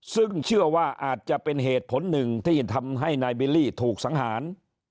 ซึ่งเชื่อว่าอาจจะเป็นเหตุผลหนึ่งที่ทำให้นายบิลลี่ถูกสังหาร